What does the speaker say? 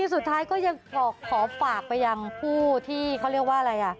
สุดท้ายก็ยังขอฝากไปยังผู้ที่เขาเรียกว่าอะไรอ่ะ